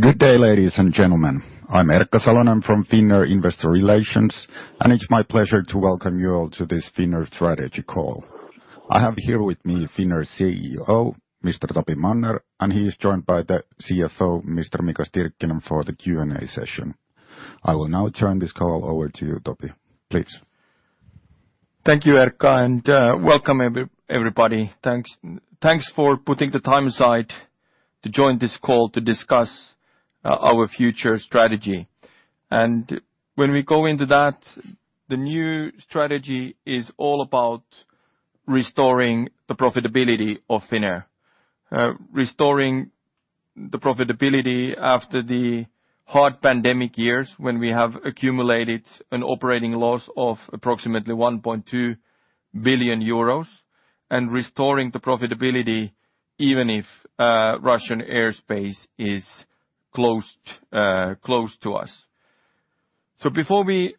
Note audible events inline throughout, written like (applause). Good day, ladies and gentlemen. I'm Erkka Salonen from Finnair Investor Relations, and it's my pleasure to welcome you all to this Finnair Strategy Call. I have here with me Finnair's CEO, Mr. Topi Manner, and he is joined by the CFO, Mr. Mika Stirkkinen, for the Q&A session. I will now turn this call over to you, Topi. Please. Thank you, Erkka, and welcome, everybody. Thanks for putting the time aside to join this call to discuss our future strategy. When we go into that, the new strategy is all about restoring the profitability of Finnair. Restoring the profitability after the hard pandemic years when we have accumulated an operating loss of approximately 1.2 billion euros and restoring the profitability even if Russian airspace is closed to us. Before we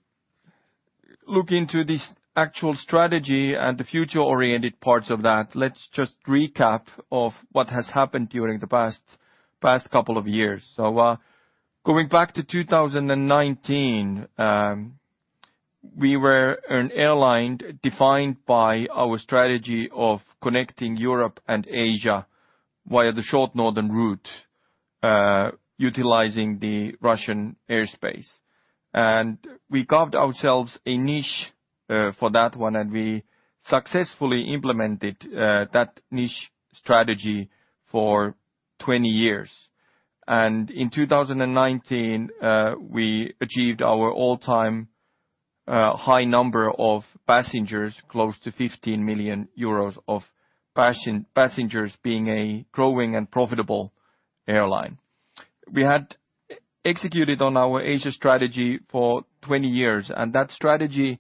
look into this actual strategy and the future-oriented parts of that, let's just recap what has happened during the past couple of years. Going back to 2019, we were an airline defined by our strategy of connecting Europe and Asia via the short northern route, utilizing the Russian airspace. We carved ourselves a niche for that one, and we successfully implemented that niche strategy for 20 years. In 2019, we achieved our all-time high number of passengers, close to 15 million passengers being a growing and profitable airline. We had executed on our Asia strategy for 20 years, and that strategy,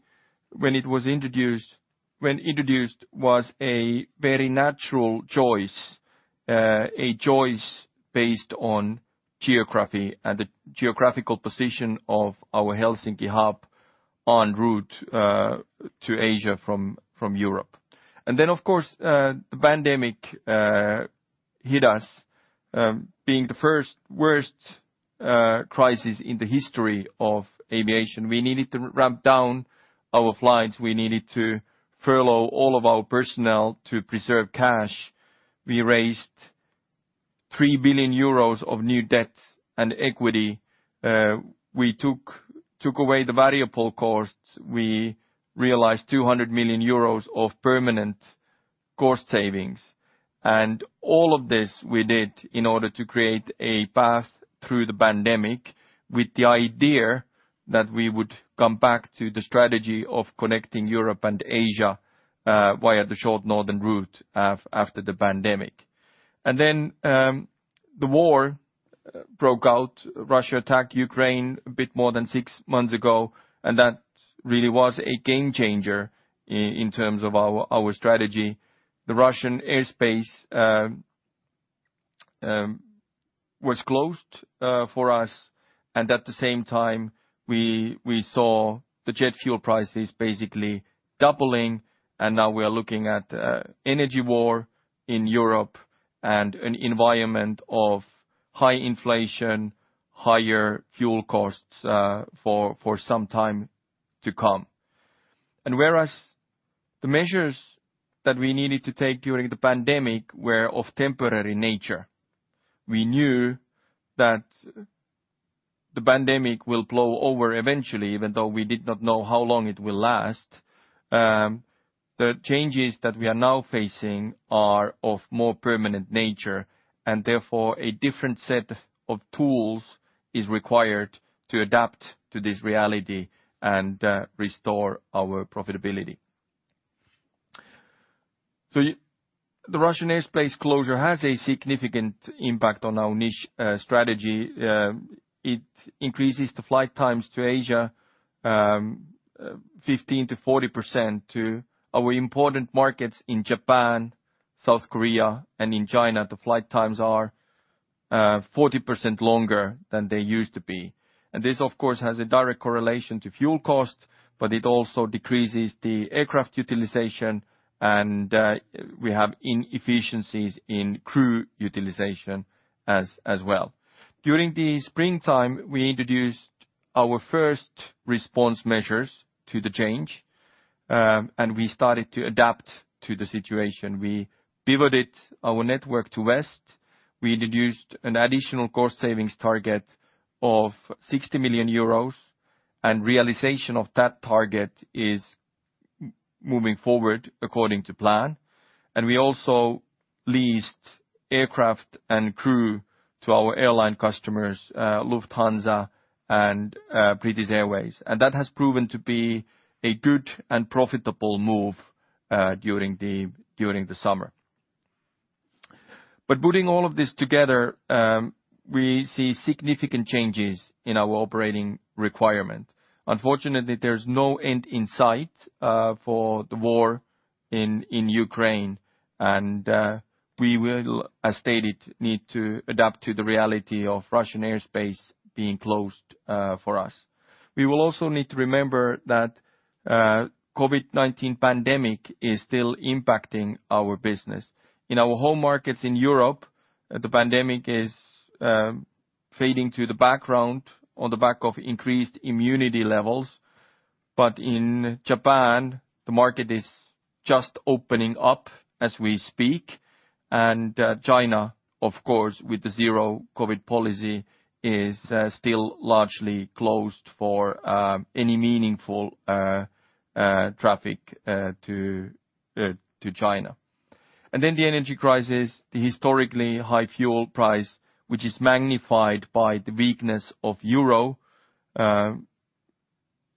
when it was introduced, was a very natural choice, a choice based on geography and the geographical position of our Helsinki hub en route to Asia from Europe. Then, of course, the pandemic hit us, being the first worst crisis in the history of aviation. We needed to ramp down our flights. We needed to furlough all of our personnel to preserve cash. We raised 3 billion euros of new debt and equity. We took away the variable costs. We realized 200 million euros of permanent cost savings. All of this we did in order to create a path through the pandemic with the idea that we would come back to the strategy of connecting Europe and Asia via the short northern route after the pandemic. The war broke out. Russia attacked Ukraine a bit more than six months ago, and that really was a game changer in terms of our strategy. The Russian airspace was closed for us, and at the same time, we saw the jet fuel prices basically doubling, and now we are looking at energy war in Europe and an environment of high inflation, higher fuel costs for some time to come. Whereas the measures that we needed to take during the pandemic were of temporary nature, we knew that the pandemic will blow over eventually, even though we did not know how long it will last. The changes that we are now facing are of more permanent nature, and therefore a different set of tools is required to adapt to this reality and restore our profitability. The Russian airspace closure has a significant impact on our niche strategy. It increases the flight times to Asia 15% to 40% to our important markets in Japan, South Korea, and in China. The flight times are 40% longer than they used to be. This, of course, has a direct correlation to fuel cost, but it also decreases the aircraft utilization, and we have inefficiencies in crew utilization as well. During the springtime, we introduced our first response measures to the change, and we started to adapt to the situation. We pivoted our network to west. We introduced an additional cost savings target of 60 million euros, and realization of that target is moving forward according to plan. We also leased aircraft and crew to our airline customers, Lufthansa and British Airways. That has proven to be a good and profitable move during the summer. Putting all of this together, we see significant changes in our operating environment. Unfortunately, there's no end in sight for the war in Ukraine and we will, as stated, need to adapt to the reality of Russian airspace being closed for us. We will also need to remember that COVID-19 pandemic is still impacting our business. In our home markets in Europe, the pandemic is fading to the background on the back of increased immunity levels. In Japan, the market is just opening up as we speak. China, of course, with the zero-COVID policy, is still largely closed for any meaningful traffic to China. The energy crisis, the historically high fuel price, which is magnified by the weakness of the euro,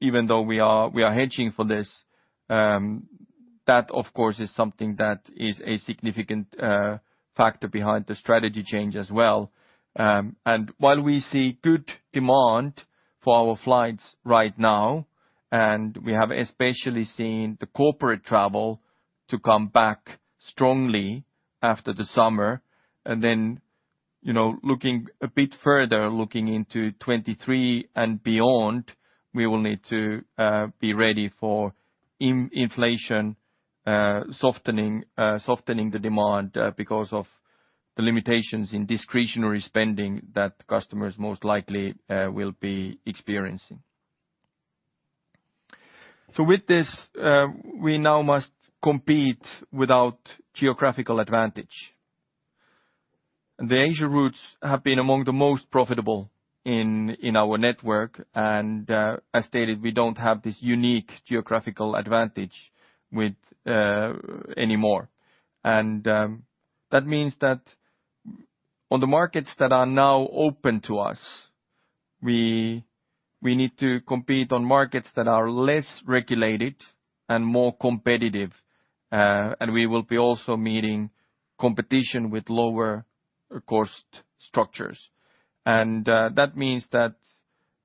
even though we are hedging for this, that, of course, is something that is a significant factor behind the strategy change as well. While we see good demand for our flights right now, and we have especially seen the corporate travel to come back strongly after the summer. You know, looking a bit further, looking into 2023 and beyond, we will need to be ready for inflation softening the demand because of the limitations in discretionary spending that customers most likely will be experiencing. With this, we now must compete without geographical advantage. The Asia routes have been among the most profitable in our network. As stated, we don't have this unique geographical advantage with anymore. That means that, on the markets that are now open to us, we need to compete on markets that are less regulated and more competitive, and we will be also meeting competition with lower cost structures. That means that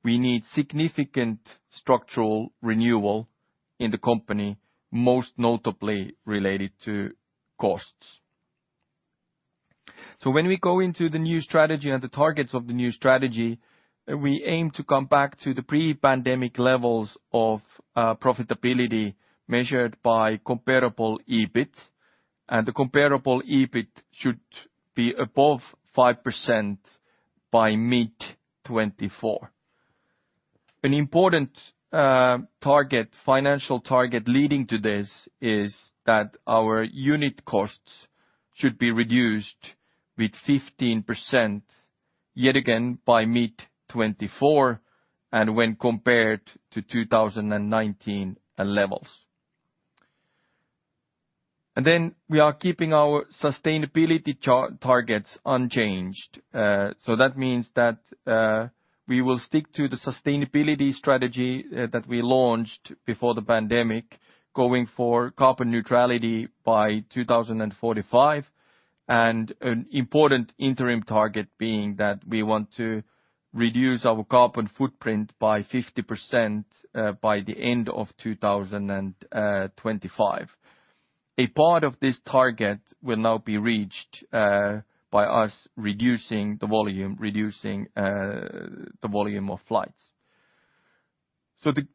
we need significant structural renewal in the company, most notably related to costs. When we go into the new strategy and the targets of the new strategy, we aim to come back to the pre-pandemic levels of profitability measured by comparable EBIT. The comparable EBIT should be above 5% by mid-2024. An important target, financial target leading to this is that our unit costs should be reduced by 15% yet again by mid-2024 and when compared to 2019 levels. We are keeping our sustainability targets unchanged. That means that we will stick to the sustainability strategy that we launched before the pandemic, going for carbon neutrality by 2045. An important interim target being that we want to reduce our carbon footprint by 50% by the end of 2025. A part of this target will now be reached by us reducing the volume of flights. The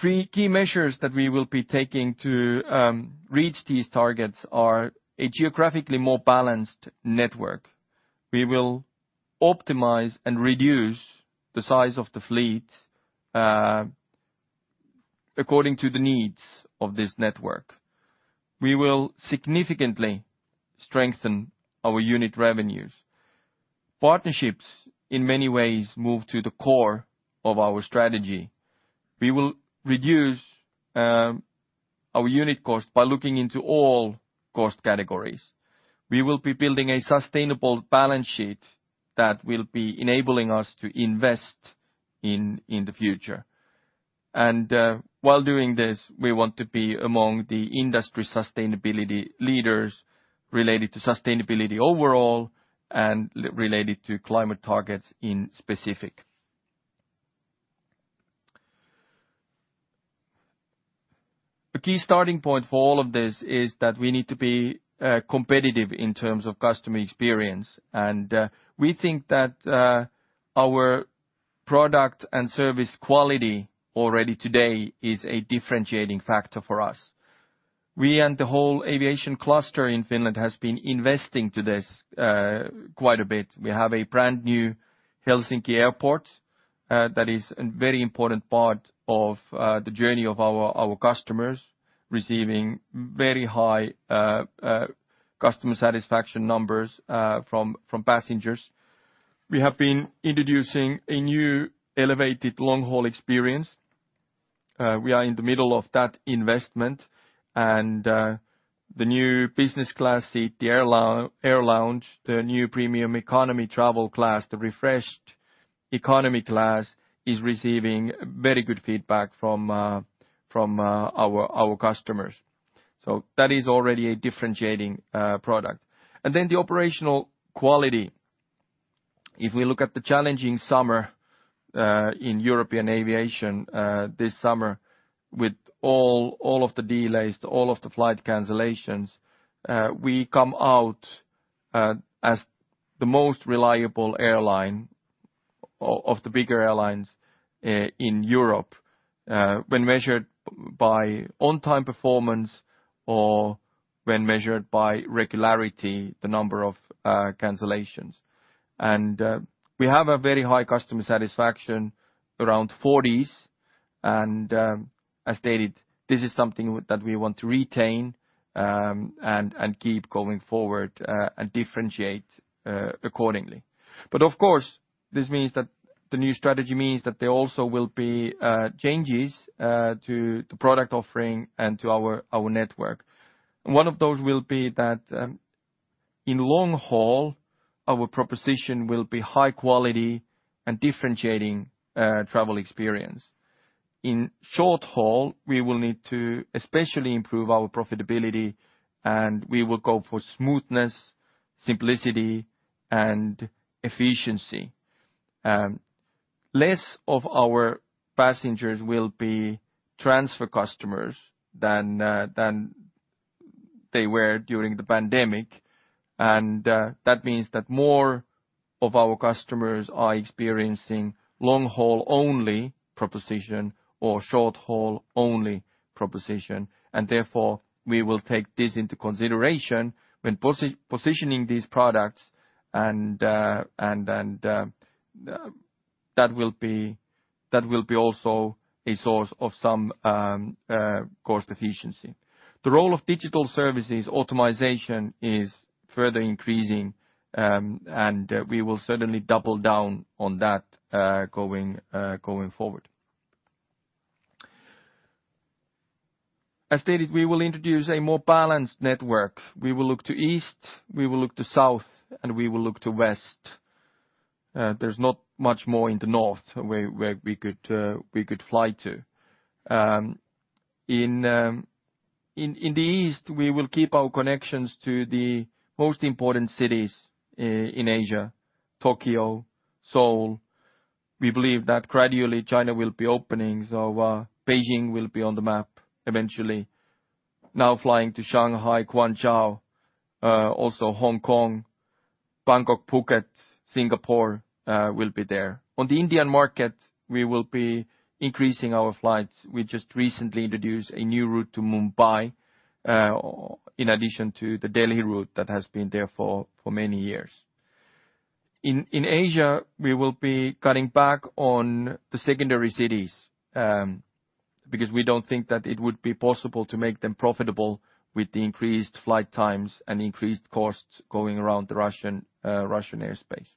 three key measures that we will be taking to reach these targets are a geographically more balanced network. We will optimize and reduce the size of the fleet according to the needs of this network. We will significantly strengthen our unit revenues. Partnerships, in many ways, move to the core of our strategy. We will reduce our unit cost by looking into all cost categories. We will be building a sustainable balance sheet that will be enabling us to invest in the future. While doing this, we want to be among the industry sustainability leaders related to sustainability overall and related to climate targets in specific. A key starting point for all of this is that we need to be competitive in terms of customer experience. We think that our product and service quality already today is a differentiating factor for us. We and the whole aviation cluster in Finland has been investing to this quite a bit. We have a brand-new Helsinki Airport that is a very important part of the journey of our customers, receiving very high customer satisfaction numbers from passengers. We have been introducing a new elevated long-haul experience. We are in the middle of that investment and the new business class seat, the AirLounge, the new premium economy travel class, the refreshed economy class is receiving very good feedback from our customers. That is already a differentiating product. The operational quality. If we look at the challenging summer in European aviation this summer, with all of the delays, all of the flight cancellations, we come out as the most reliable airline of the bigger airlines in Europe when measured by on-time performance or when measured by regularity, the number of cancellations. We have a very high customer satisfaction around 40% and, as stated, this is something that we want to retain and keep going forward and differentiate accordingly. Of course, this means that the new strategy means that there also will be changes to the product offering and to our network. One of those will be that in long haul, our proposition will be high quality and differentiating travel experience. In short haul, we will need to especially improve our profitability and we will go for smoothness, simplicity, and efficiency. Less of our passengers will be transfer customers than they were during the pandemic. That means that more of our customers are experiencing long haul only proposition or short haul only proposition. Therefore, we will take this into consideration when positioning these products and that will be also a source of some cost efficiency. The role of digital services automation is further increasing and we will certainly double down on that going forward. As stated, we will introduce a more balanced network. We will look to east, we will look to south, and we will look to west. There's not much more in the north where we could fly to. In the east, we will keep our connections to the most important cities in Asia, Tokyo, Seoul. We believe that gradually China will be opening, so Beijing will be on the map eventually. Now flying to Shanghai, Guangzhou, also Hong Kong, Bangkok, Phuket, Singapore, will be there. On the Indian market, we will be increasing our flights. We just recently introduced a new route to Mumbai, in addition to the Delhi route that has been there for many years. In Asia, we will be cutting back on the secondary cities, because we don't think that it would be possible to make them profitable with the increased flight times and increased costs going around the Russian airspace.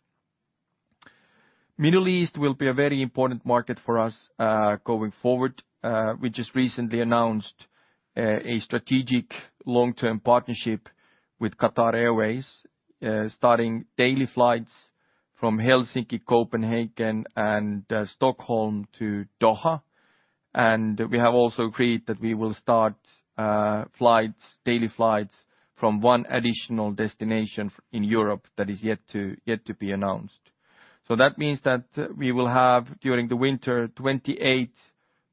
Middle East will be a very important market for us, going forward. We just recently announced a strategic long-term partnership with Qatar Airways, starting daily flights from Helsinki, Copenhagen, and Stockholm to Doha. We have also agreed that we will start daily flights from one additional destination in Europe that is yet to be announced. That means that we will have, during the winter, 28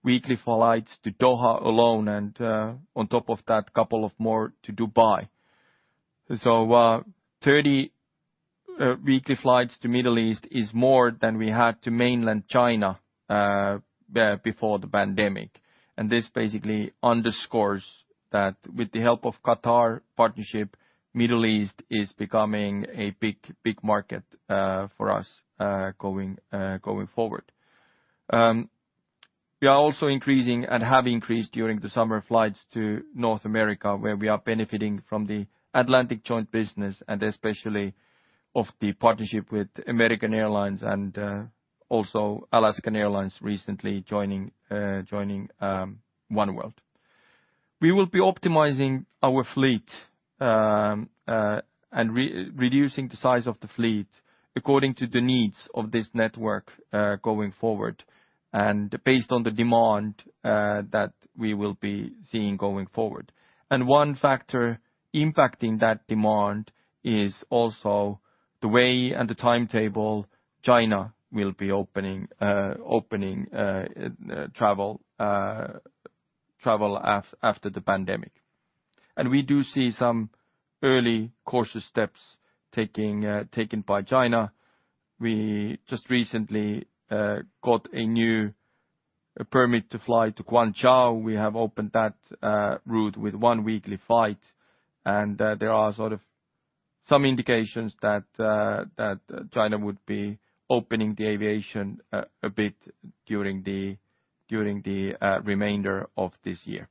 weekly flights to Doha alone and, on top of that, couple of more to Dubai. 30 weekly flights to Middle East is more than we had to mainland China before the pandemic. This basically underscores that with the help of Qatar partnership, Middle East is becoming a big, big market for us, going forward. We are also increasing and have increased during the summer flights to North America, where we are benefiting from the Atlantic Joint Business and especially of the partnership with American Airlines and also Alaska Airlines recently joining oneworld. We will be optimizing our fleet and reducing the size of the fleet according to the needs of this network going forward and based on the demand that we will be seeing going forward. One factor impacting that demand is also the way and the timetable China will be opening travel after the pandemic. We do see some early cautious steps taken by China. We just recently got a new permit to fly to Guangzhou. We have opened that route with one weekly flight, and there are sort of some indications that China would be opening the aviation a bit during the remainder of this year.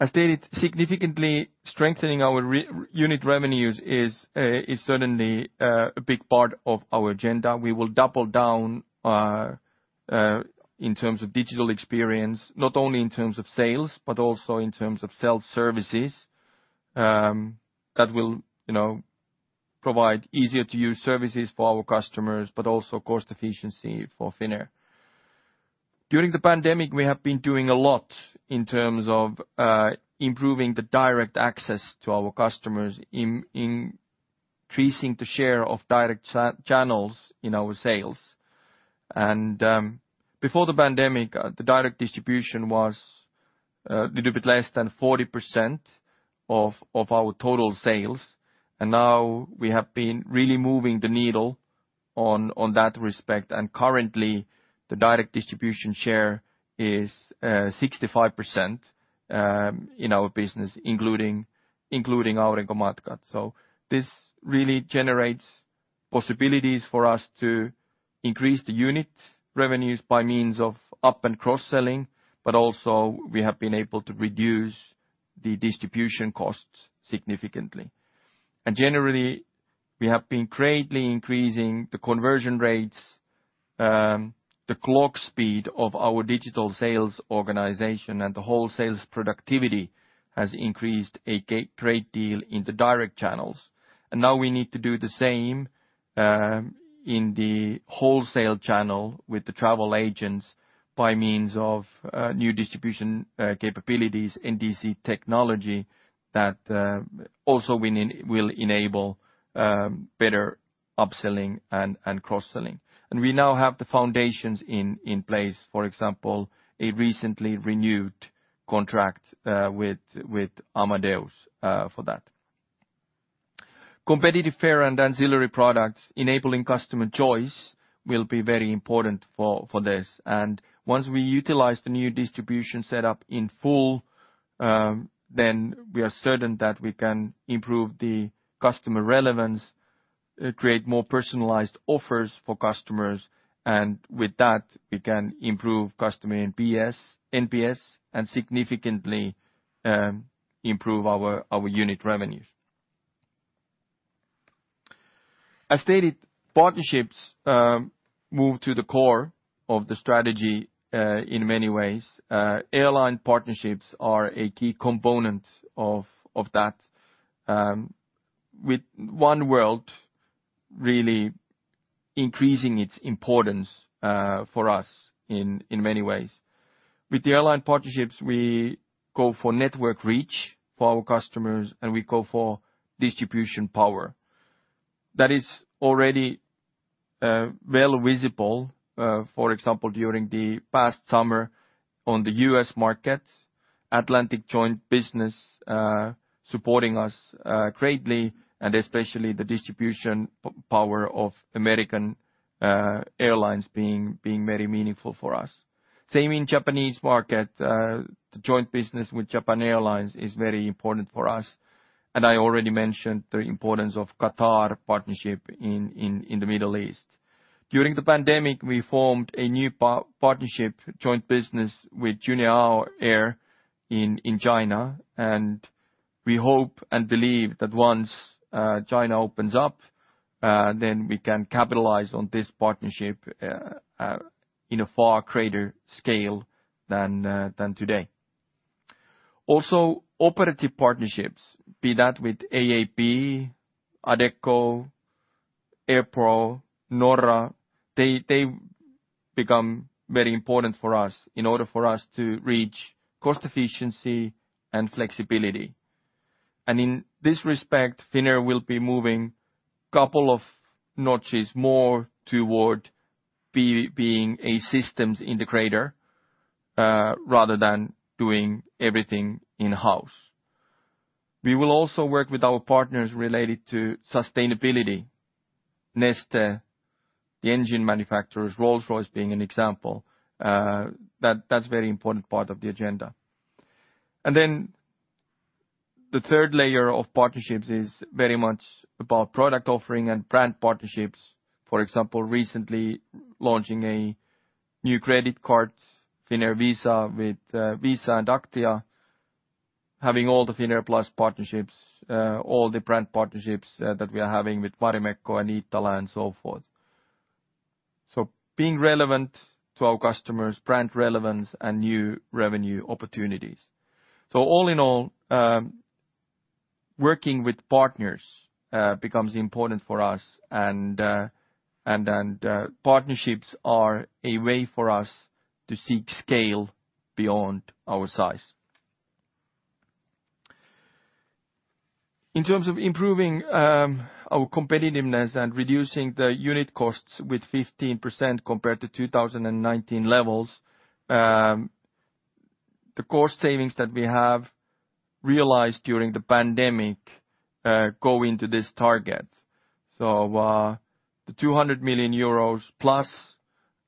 As stated, significantly strengthening our unit revenues is certainly a big part of our agenda. We will double down in terms of digital experience, not only in terms of sales, but also in terms of self-services that will, you know, provide easier to use services for our customers, but also cost efficiency for Finnair. During the pandemic, we have been doing a lot in terms of improving the direct access to our customers, increasing the share of direct channels in our sales. Before the pandemic, the direct distribution was a little bit less than 40% of our total sales. Now we have been really moving the needle on that respect. Currently the direct distribution share is 65% in our business, including Aurinkomatkat. This really generates possibilities for us to increase the unit revenues by means of up- and cross-selling, but also, we have been able to reduce the distribution costs significantly. Generally, we have been greatly increasing the conversion rates, the clock speed of our digital sales organization, and the whole sales productivity has increased a great deal in the direct channels. Now we need to do the same in the wholesale channel with the travel agents by means of new distribution capabilities, NDC technology that will enable better upselling and cross-selling. We now have the foundations in place. For example, a recently renewed contract with Amadeus for that. Competitive fare and ancillary products enabling customer choice will be very important for this. Once we utilize the new distribution setup in full, then we are certain that we can improve the customer relevance, create more personalized offers for customers, and with that, we can improve customer NPS and significantly improve our unit revenues. As stated, partnerships move to the core of the strategy in many ways. Airline partnerships are a key component of that with oneworld really increasing its importance for us in many ways. With the airline partnerships, we go for network reach for our customers, and we go for distribution power. That is already well visible, for example during the past summer on the US markets, Atlantic Joint Business supporting us greatly, and especially the distribution power of American Airlines being very meaningful for us. Same in Japanese market, the joint business with Japan Airlines is very important for us, and I already mentioned the importance of Qatar partnership in the Middle East. During the pandemic, we formed a new partnership joint business with Juneyao Air in China, and we hope and believe that once China opens up, then we can capitalize on this partnership in a far greater scale than today. Also, operative partnerships, be that with AAP, Adecco, Airpro, Norra, they become very important for us in order for us to reach cost efficiency and flexibility. In this respect, Finnair will be moving a couple of notches more toward being a systems integrator, rather than doing everything in-house. We will also work with our partners related to sustainability, Neste, the engine manufacturers, Rolls-Royce being an example. That's very important part of the agenda. Then the third layer of partnerships is very much about product offering and brand partnerships. For example, recently launching a new credit card, Finnair Visa with Visa and Aktia, having all the Finnair Plus partnerships, all the brand partnerships that we are having with Marimekko and Iittala and so forth. Being relevant to our customers, brand relevance and new revenue opportunities. All in all, working with partners becomes important for us and partnerships are a way for us to seek scale beyond our size. In terms of improving, our competitiveness and reducing the unit costs with 15% compared to 2019 levels, the cost savings that we have realized during the pandemic go into this target. The 200 million euros plus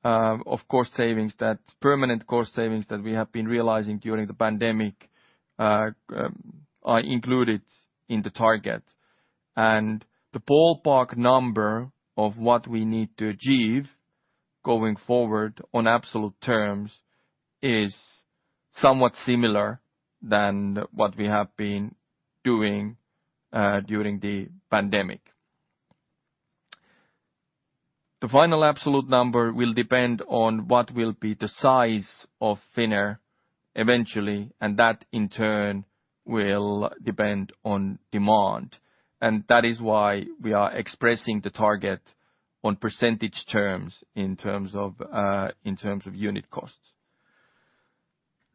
of cost savings, that permanent cost savings that we have been realizing during the pandemic, are included in the target. The ballpark number of what we need to achieve going forward on absolute terms is somewhat similar than what we have been doing during the pandemic. The final absolute number will depend on what will be the size of Finnair eventually, and that in turn will depend on demand. That is why we are expressing the target on percentage terms in terms of unit costs.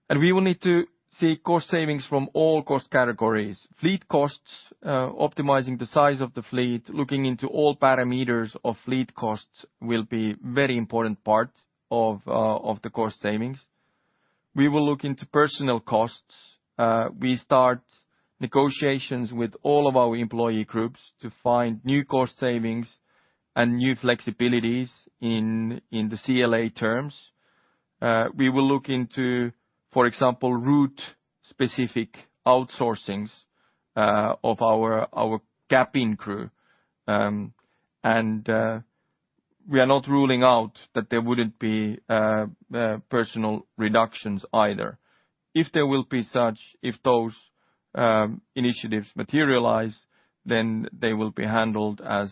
We will need to see cost savings from all cost categories. Fleet costs, optimizing the size of the fleet, looking into all parameters of fleet costs will be very important part of the cost savings. We will look into personnel costs. We start negotiations with all of our employee groups to find new cost savings and new flexibilities in the CLA terms. We will look into, for example, route specific outsourcings of our cabin crew. We are not ruling out that there wouldn't be personnel reductions either. If those initiatives materialize, then they will be handled as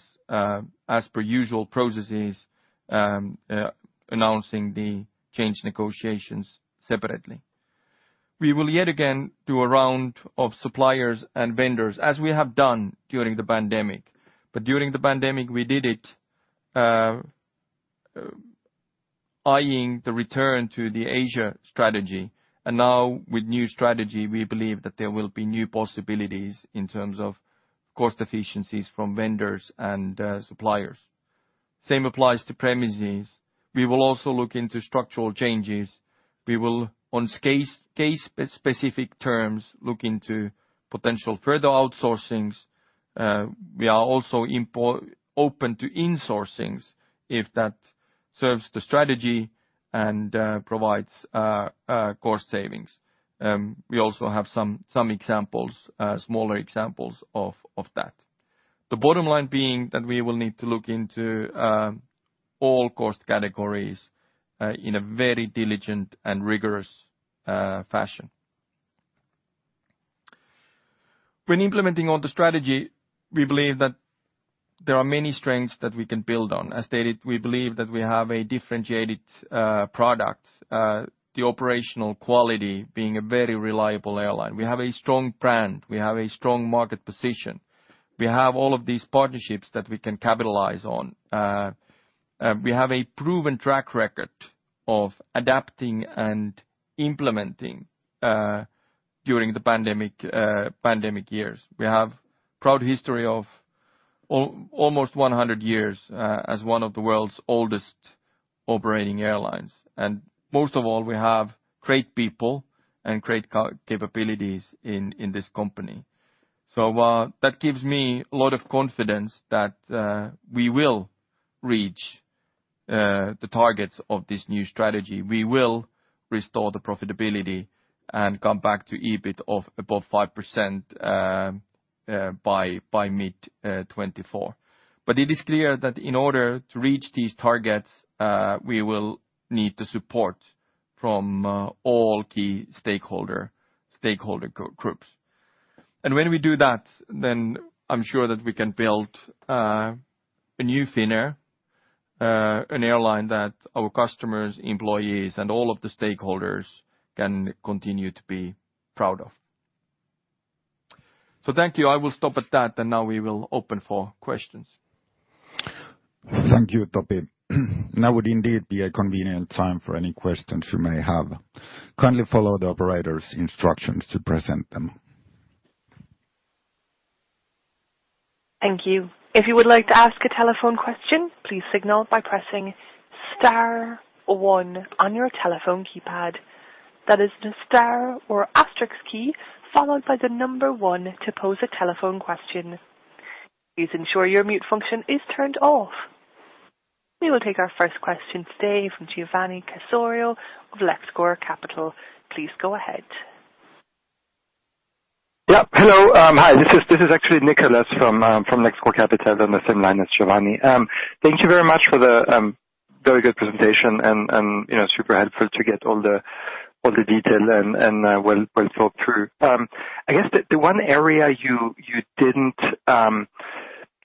per usual processes, announcing the change negotiations separately. We will yet again do a round of suppliers and vendors as we have done during the pandemic. During the pandemic, we did it, eyeing the return to the Asia strategy. Now with new strategy, we believe that there will be new possibilities in terms of cost efficiencies from vendors and suppliers. Same applies to premises. We will also look into structural changes. We will on case-by-case specific terms, look into potential further outsourcings. We are also open to insourcings if that serves the strategy and provides cost savings. We also have some smaller examples of that. The bottom line being that we will need to look into all cost categories in a very diligent and rigorous fashion. When implementing all the strategy, we believe that there are many strengths that we can build on. As stated, we believe that we have a differentiated product, the operational quality being a very reliable airline. We have a strong brand. We have a strong market position. We have all of these partnerships that we can capitalize on. We have a proven track record of adapting and implementing during the pandemic years. We have proud history of almost 100 years as one of the world's oldest operating airlines. Most of all, we have great people and great capabilities in this company. That gives me a lot of confidence that we will reach the targets of this new strategy. We will restore the profitability and come back to EBIT of above 5% by mid-2024.It is clear that in order to reach these targets, we will need the support from all key stakeholder groups. When we do that, then I'm sure that we can build a new Finnair, an airline that our customers, employees, and all of the stakeholders can continue to be proud of. Thank you. I will stop at that, and now we will open for questions. Thank you, Topi. Now would indeed be a convenient time for any questions you may have. Kindly follow the operator's instructions to present them. Thank you. If you would like to ask a telephone question, please signal by pressing star one on your telephone keypad. That is the star or asterisk key followed by the number one to pose a telephone question. Please ensure your mute function is turned off. We will take our first question today from Giovanni Caforio of Lexcor Capital. Please go ahead. Yeah. Hello. Hi, this is actually Nicholas from Lexcor Capital on the same line as Giovanni. Thank you very much for the very good presentation and, you know, super helpful to get all the detail and well thought through. I guess the one area you didn't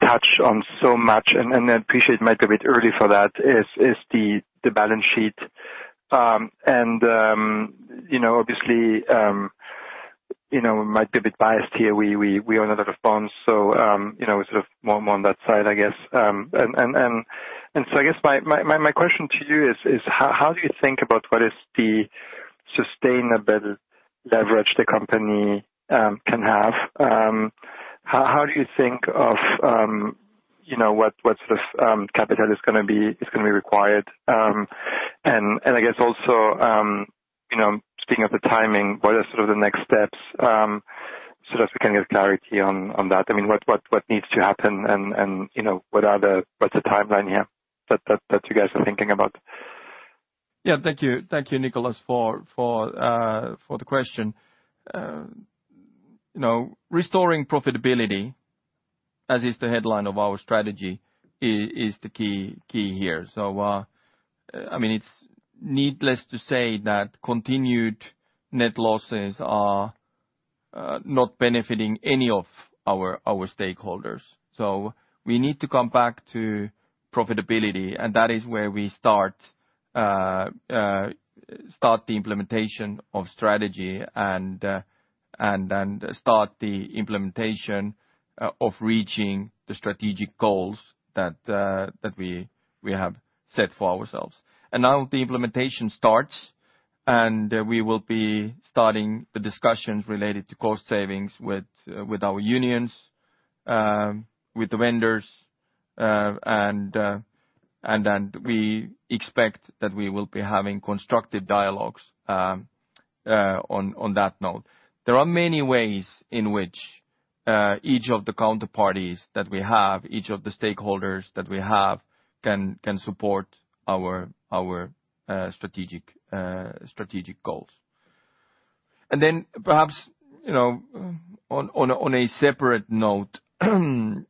touch on so much, and I appreciate it might be a bit early for that, is the balance sheet. You know, obviously, you know, might be a bit biased here. We own a lot of bonds, so you know, sort of more on that side, I guess. I guess my question to you is how do you think about what is the sustainable leverage the company can have? How do you think of you know what sort of capital is gonna be required? I guess also you know speaking of the timing what are sort of the next steps so that we can get clarity on that? I mean what needs to happen and you know what's the timeline here that you guys are thinking about? Yeah. Thank you. Thank you, Nicholas, for the question. You know, restoring profitability, as is the headline of our strategy, is the key here. I mean, it's needless to say that continued net losses are not benefiting any of our stakeholders. We need to come back to profitability, and that is where we start the implementation of strategy and of reaching the strategic goals that we have set for ourselves. Now the implementation starts, and we will be starting the discussions related to cost savings with our unions, with the vendors, and then we expect that we will be having constructive dialogues on that note. There are many ways in which each of the counterparties that we have, each of the stakeholders that we have can support our strategic goals. Then perhaps, you know, on a separate note, I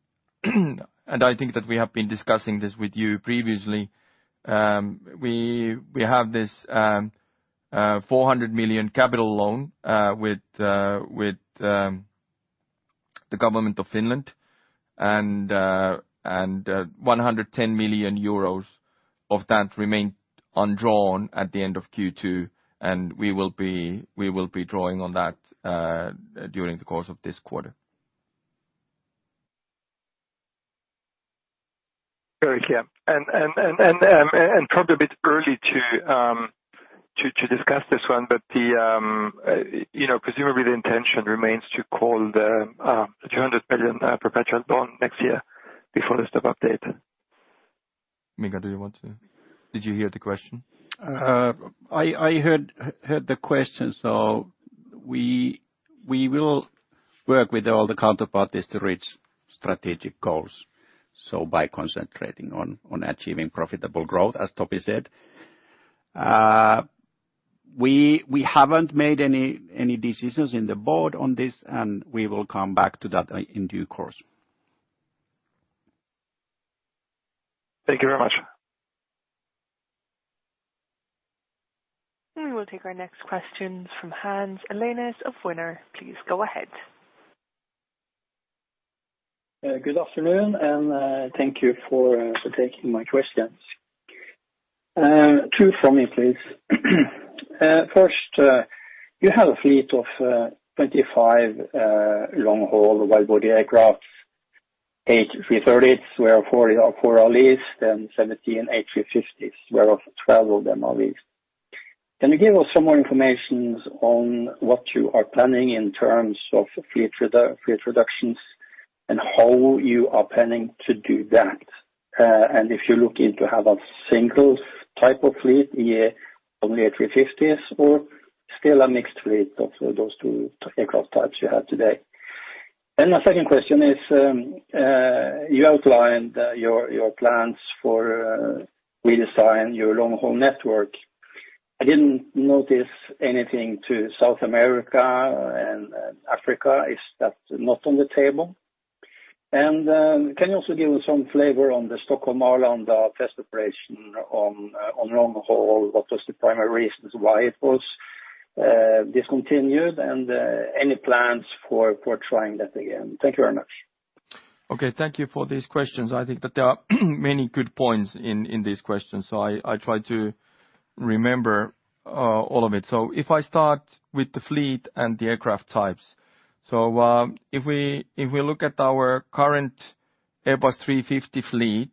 think that we have been discussing this with you previously, we have this 400 million capital loan with the government of Finland and 110 million euros of that remained undrawn at the end of second quarter, and we will be drawing on that during the course of this quarter. Okay. Probably a bit early to discuss this one, but you know, presumably intention remains to call the 200 million perpetual loan next year before the step-up. Mika, did you hear the question? I heard the question. We will work with all the counterparties to reach strategic goals. By concentrating on achieving profitable growth, as Topi said. We haven't made any decisions in the board on this, and we will come back to that in due course. Thank you very much. We will take our next questions from Hans Elnæs of WinAir. Please go ahead. Good afternoon and thank you for taking my questions. Two from me, please. First, you have a fleet of 25 long-haul wide-body aircraft, A330s, where four are leased, and 17 A350s, whereof 12 of them are leased. Can you give us some more information on what you are planning in terms of fleet reductions and how you are planning to do that? If you're looking to have a single type of fleet, only A350s or still a mixed fleet of those two aircraft types you have today. My second question is, you outlined your plans for redesigning your long-haul network. I didn't notice anything to South America and Africa. Is that not on the table? Can you also give us some flavor on the Stockholm Arlanda test operation on long haul? What was the primary reasons why it was discontinued? Any plans for trying that again? Thank you very much. Okay. Thank you for these questions. I think that there are many good points in these questions, so I try to remember all of it. If I start with the fleet and the aircraft types. If we look at our current Airbus 350 fleet,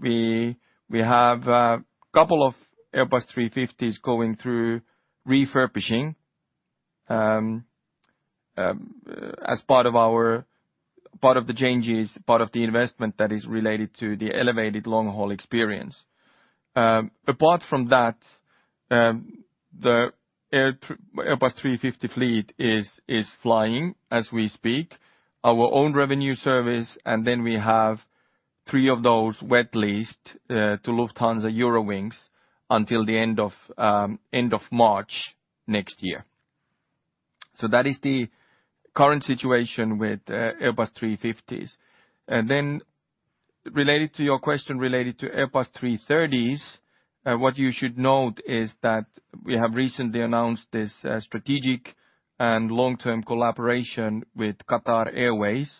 we have a couple of Airbus 350s going through refurbishing, as part of the changes, part of the investment that is related to the elevated long-haul experience. Apart from that, the Airbus 350 fleet is flying as we speak, our own revenue service, and then we have three of those wet leased to Lufthansa Eurowings until the end of March next year. That is the current situation with Airbus 350s. Then related to your question related to Airbus three thirties, what you should note is that we have recently announced this strategic and long-term collaboration with Qatar Airways,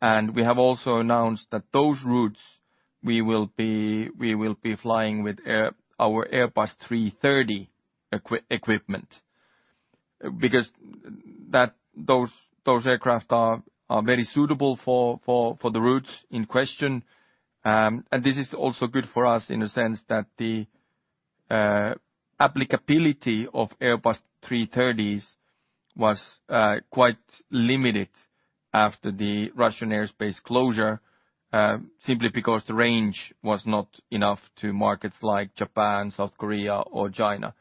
and we have also announced that those routes we will be flying with our Airbus three thirty equipment. Because those aircraft are very suitable for the routes in question. This is also good for us in a sense that the applicability of Airbus three thirties was quite limited after the Russian airspace closure, simply because the range was not enough to markets like Japan, South Korea or China.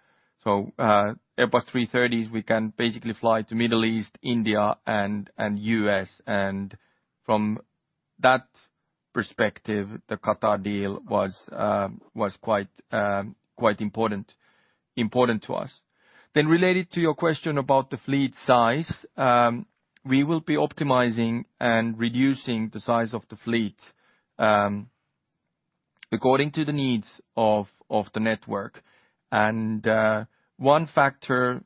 Airbus three thirties, we can basically fly to Middle East, India and US From that perspective, the Qatar deal was quite important to us. Related to your question about the fleet size, we will be optimizing and reducing the size of the fleet according to the needs of the network. One factor,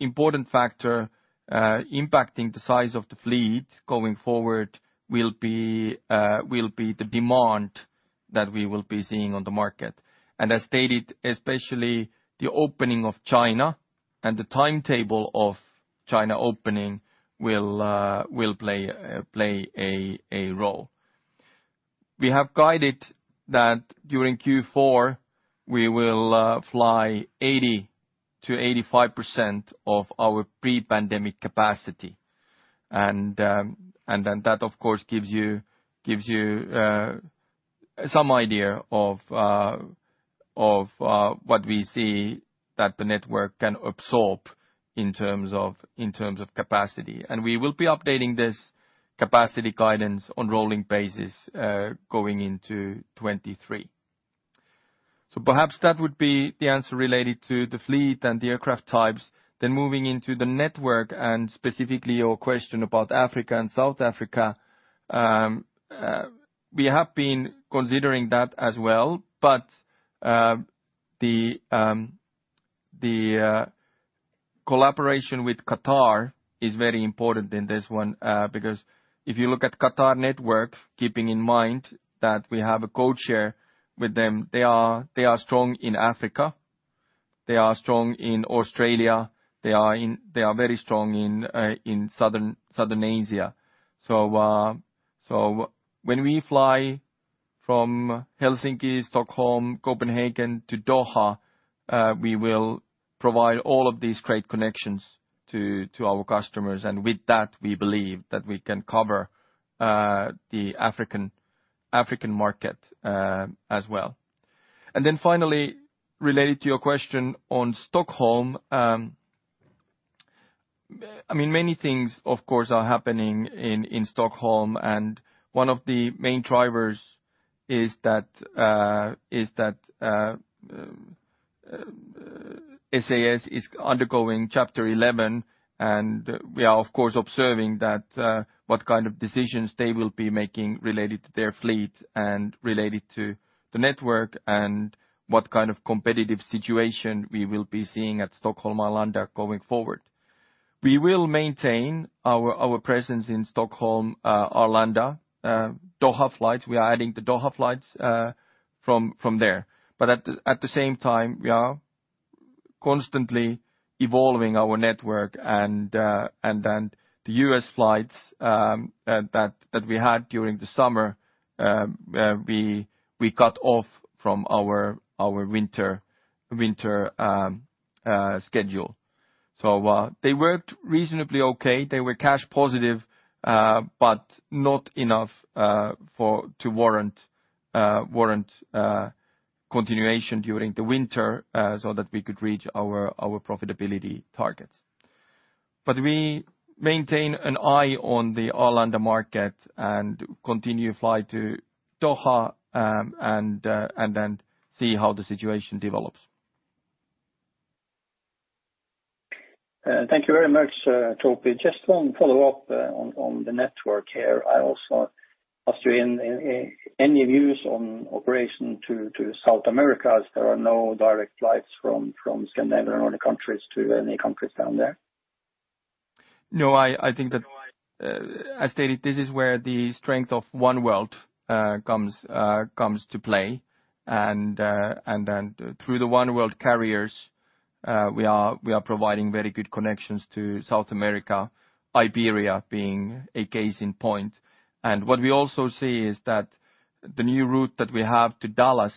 important factor, impacting the size of the fleet going forward will be the demand that we will be seeing on the market. As stated, especially the opening of China and the timetable of China opening will play a role. We have guided that during fourth quarter we will fly 80% to 85% of our pre-pandemic capacity. That of course gives you some idea of what we see that the network can absorb in terms of capacity. We will be updating this capacity guidance on rolling basis going into 2023. Perhaps that would be the answer related to the fleet and the aircraft types. Moving into the network and specifically your question about Africa and South Africa. We have been considering that as well, but the collaboration with Qatar is very important in this one. Because if you look at Qatar network, keeping in mind that we have a code share with them, they are strong in Africa, they are strong in Australia, they are very strong in Southern Asia. When we fly from Helsinki, Stockholm, Copenhagen to Doha, we will provide all of these great connections to our customers. With that, we believe that we can cover the African market as well. Finally, related to your question on Stockholm, I mean, many things of course are happening in Stockholm, and one of the main drivers is that SAS is undergoing Chapter 11, and we are of course observing that what kind of decisions they will be making related to their fleet and related to the network and what kind of competitive situation we will be seeing at Stockholm Arlanda going forward. We will maintain our presence in Stockholm Arlanda Doha flights. We are adding the Doha flights from there. But at the same time, we are constantly evolving our network and then the US flights that we had during the summer we cut off from our winter schedule. They worked reasonably okay. They were cash positive, but not enough to warrant continuation during the winter, so that we could reach our profitability targets. We keep an eye on the Arlanda market and continue to fly to Doha, and then see how the situation develops. Thank you very much, Topi. Just one follow up on the network here. I also ask you in any views on operation to South America, as there are no direct flights from Scandinavia or the countries to any countries down there. No, I think that, as stated, this is where the strength of oneworld comes to play. Through the oneworld carriers, we are providing very good connections to South America, Iberia being a case in point. What we also see is that the new route that we have to Dallas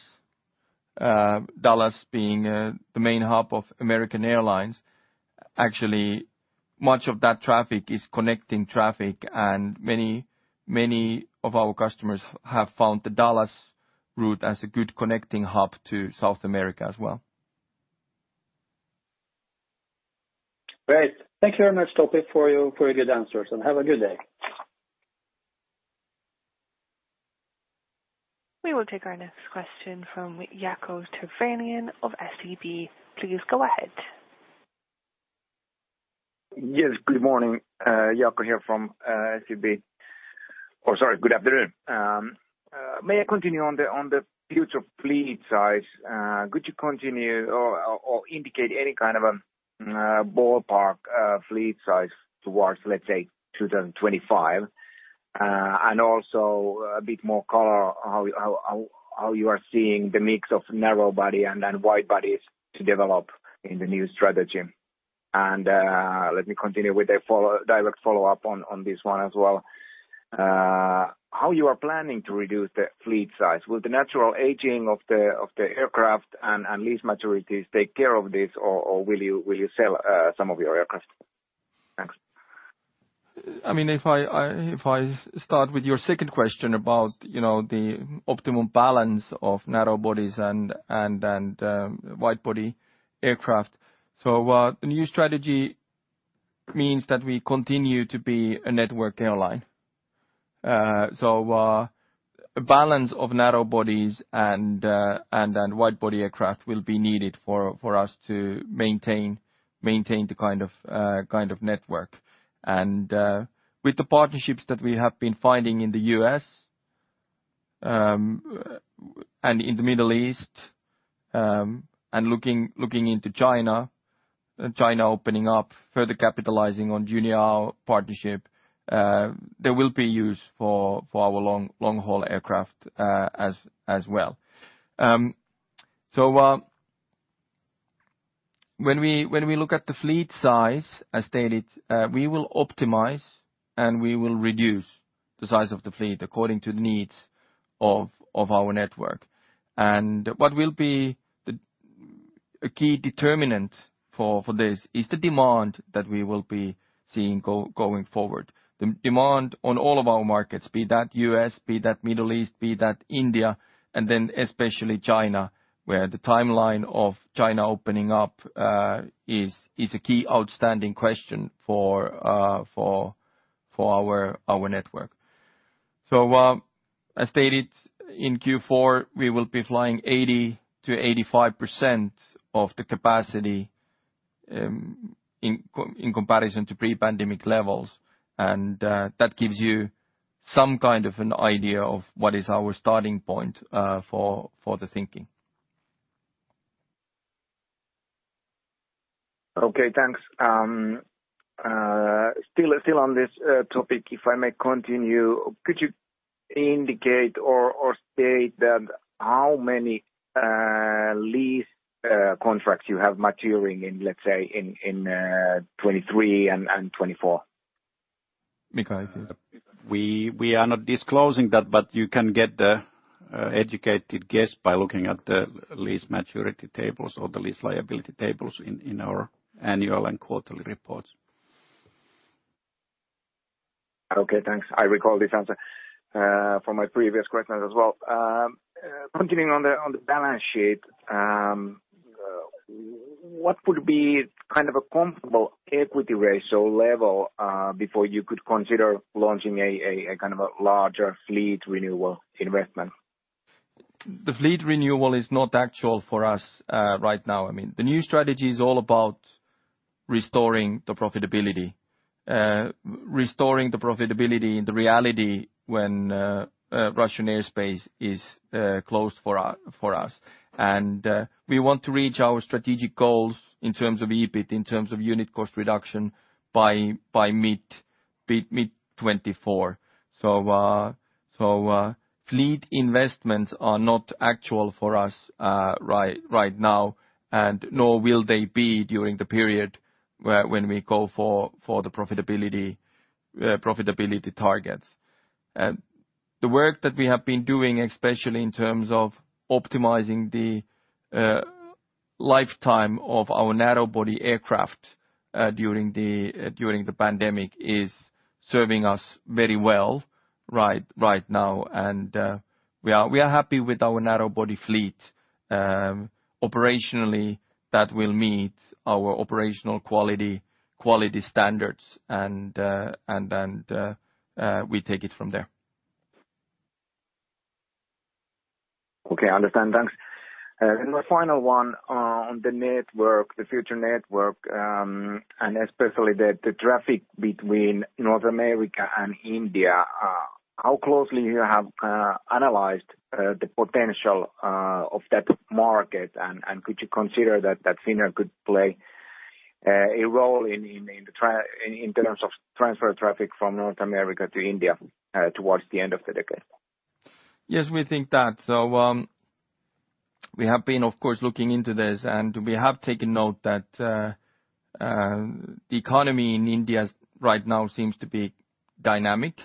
being the main hub of American Airlines, actually much of that traffic is connecting traffic and many of our customers have found the Dallas route as a good connecting hub to South America as well. Great. Thank you very much, Topi, for your good answers, and have a good day. We will take our next question from Jaakko Tyrväinen of SEB. Please go ahead. Yes, good morning. Jaakko Tyrväinen here from SEB. Oh, sorry, good afternoon. May I continue on the future fleet size? Could you continue or indicate any kind of ballpark fleet size towards, let's say 2025? Also a bit more color how you are seeing the mix of narrow body and then wide bodies to develop in the new strategy. Let me continue with a direct follow-up on this one as well. How you are planning to reduce the fleet size? Will the natural aging of the aircraft and lease maturities take care of this or will you sell some of your aircraft? Thanks. I mean, if I start with your second question about, you know, the optimum balance of narrow bodies and wide body aircraft. The new strategy means that we continue to be a network airline. A balance of narrow bodies and wide body aircraft will be needed for us to maintain the kind of network. With the partnerships that we have been finding in the US, and in the Middle East, and looking into China opening up, further capitalizing on Juneyao partnership, there will be use for our long-haul aircraft, as well. When we look at the fleet size, as stated, we will optimize and we will reduce the size of the fleet according to the needs of our network. What will be a key determinant for this is the demand that we will be seeing going forward. The demand on all of our markets, be that US, be that Middle East, be that India, and then especially China, where the timeline of China opening up is a key outstanding question for our network. As stated in fourth quarter, we will be flying 80% to 85% of the capacity in comparison to pre-pandemic levels. That gives you some kind of an idea of what is our starting point for the thinking. Okay, thanks. Still on this topic, if I may continue. Could you indicate or state that how many lease contracts you have maturing in, let's say, in 2023 and 2024? Mika, if you. We are not disclosing that, but you can get the educated guess by looking at the lease maturity tables or the lease liability tables in our annual and quarterly reports. Okay, thanks. I recall this answer from my previous questions as well. Continuing on the balance sheet, what would be kind of a comfortable equity ratio level before you could consider launching a kind of a larger fleet renewal investment? The fleet renewal is not actual for us, right now. I mean, the new strategy is all about restoring the profitability. Restoring the profitability in the reality when Russian airspace is closed for us. We want to reach our strategic goals in terms of EBIT, in terms of unit cost reduction by mid-2024. Fleet investments are not actual for us, right now, and nor will they be during the period when we go for the profitability targets. The work that we have been doing, especially in terms of optimizing the lifetime of our narrow body aircraft, during the pandemic, is serving us very well right now. We are happy with our narrow body fleet operationally that will meet our operational quality standards, and then we take it from there. Okay, I understand. Thanks. My final one on the network, the future network, and especially the traffic between North America and India. How closely you have analyzed the potential of that market and could you consider that Finnair could play a role in terms of transfer traffic from North America to India towards the end of the decade? Yes, we think that. We have been, of course, looking into this, and we have taken note that the economy in India right now seems to be dynamic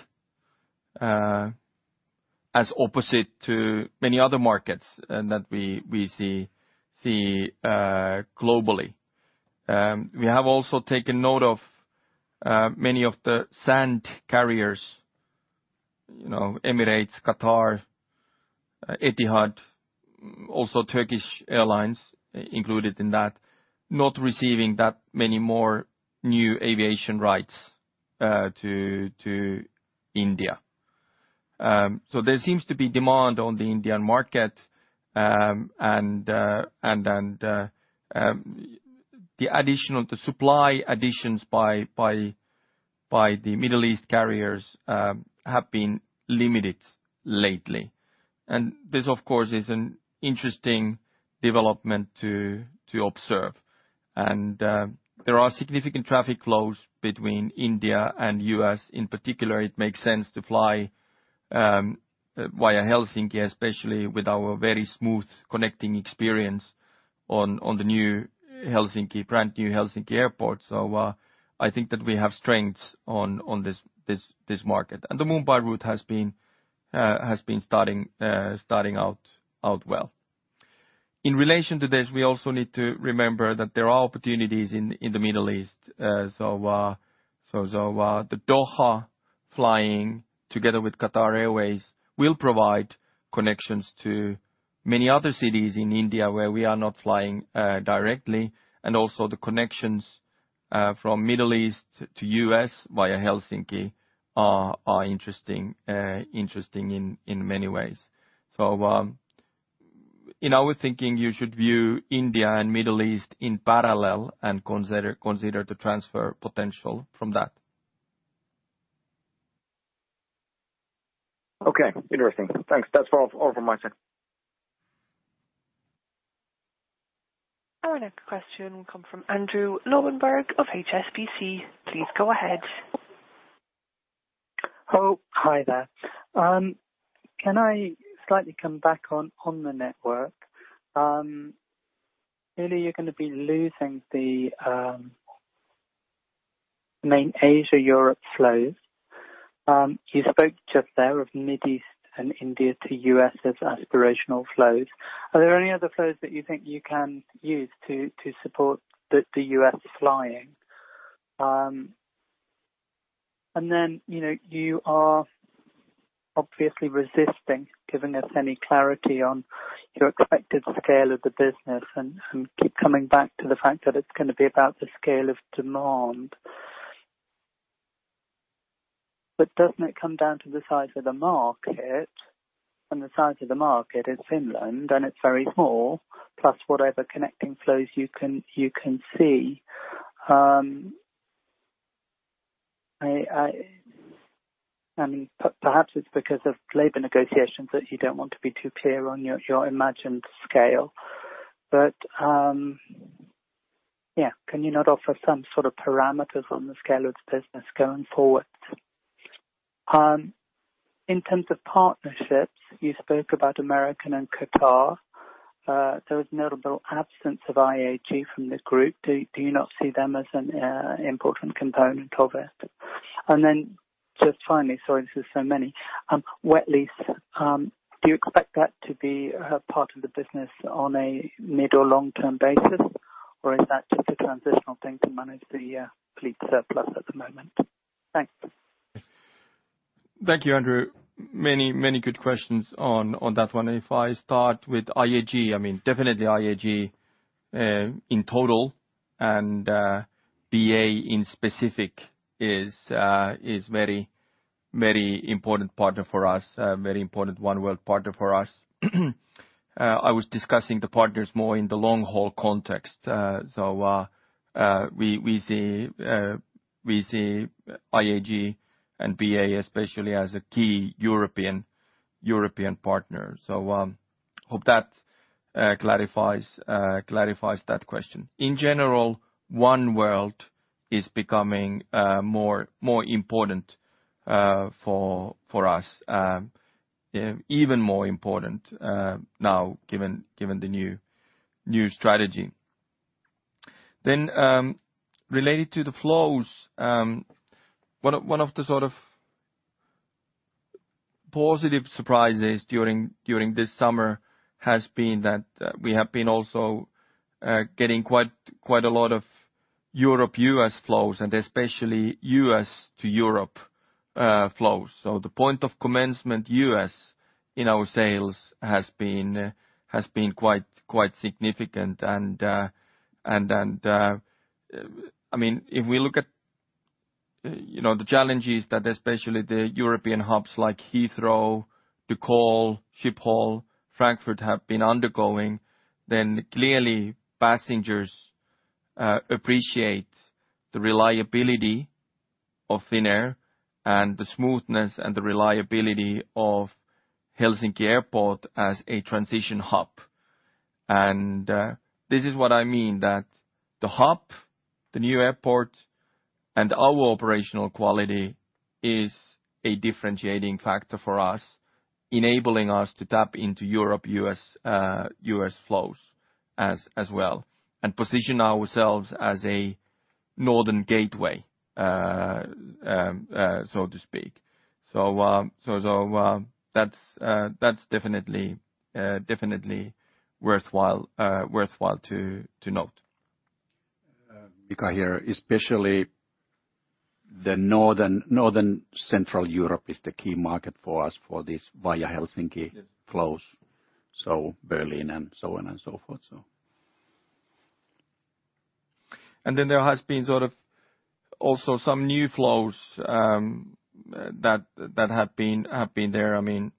as opposed to many other markets and that we see globally. We have also taken note of many of the Gulf carriers, you know, Emirates, Qatar, Etihad, also Turkish Airlines included in that, not receiving that many more new aviation rights to India. There seems to be demand on the Indian market, and the supply additions by the Middle East carriers have been limited lately. This, of course, is an interesting development to observe. There are significant traffic flows between India and US. In particular, it makes sense to fly via Helsinki, especially with our very smooth connecting experience on the brand new Helsinki Airport. I think that we have strengths on this market. The Mumbai route has been starting out well. In relation to this, we also need to remember that there are opportunities in the Middle East. The Doha flying together with Qatar Airways will provide connections to many other cities in India where we are not flying directly. Also the connections from Middle East to US via Helsinki are interesting in many ways. In our thinking, you should view India and Middle East in parallel and consider the transfer potential from that. Okay, interesting. Thanks. That's all from my side. Our next question will come from Andrew Lobbenberg of HSBC. Please go ahead. Oh, hi there. Can I slightly come back on the network? Really you're gonna be losing the main Asia-Europe flows. You spoke just there of Middle East and India to US as aspirational flows. Are there any other flows that you think you can use to support the US flying? You know, you are obviously resisting giving us any clarity on your expected scale of the business and keep coming back to the fact that it's gonna be about the scale of demand. Doesn't it come down to the size of the market? The size of the market is Finland, and it's very small, plus whatever connecting flows you can see. Perhaps it's because of labor negotiations that you don't want to be too clear on your imagined scale. Yeah, can you not offer some sort of parameters on the scale of the business going forward? In terms of partnerships, you spoke about American and Qatar. There was a notable absence of IAG from the group. Do you not see them as an important component of it? Just finally, sorry this is so many. Wet lease, do you expect that to be a part of the business on a mid or long-term basis, or is that just a transitional thing to manage the fleet surplus at the moment? Thanks. Thank you, Andrew. Many good questions on that one. If I start with IAG, I mean, definitely IAG in total and BA in specific is very important partner for us. Very important oneworld partner for us. I was discussing the partners more in the long-haul context. We see IAG and BA especially as a key European partner. Hope that clarifies that question. In general, oneworld is becoming more important for us. Even more important now given the new strategy. Related to the flows, one of the sort of positive surprises during this summer has been that we have also been getting quite a lot of Europe-US flows and especially US to Europe flows. So the proportion of US in our sales has been quite significant. I mean, if we look at, you know, the challenges that especially the European hubs like Heathrow, de Gaulle, Schiphol, Frankfurt have been undergoing, then clearly passengers appreciate the reliability of Finnair and the smoothness and the reliability of Helsinki Airport as a transition hub. This is what I mean, that the hub, the new airport, and our operational quality is a differentiating factor for us, enabling us to tap into Europe, US flows as well, and position ourselves as a northern gateway, so to speak. That's definitely worthwhile to note. Because here, especially the Northern Central Europe is the key market for us for this via Helsinki... (crosstalk) Yes. Flows, so Berlin and so on and so forth. There has been sort of also some new flows that have been there. I mean,